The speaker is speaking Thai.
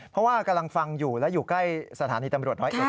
เพราะว่ากำลังฟังอยู่และอยู่ใกล้สถานีตำรวจร้อยเอ็